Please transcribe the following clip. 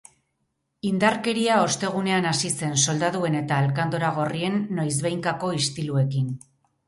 Indarkeria ostegunean hasi zen, soldaduen eta alkandora gorrien noizbehinkako istiluekin.